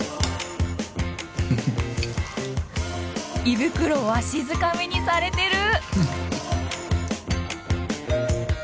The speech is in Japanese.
胃袋わしづかみにされてる！